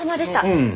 うん。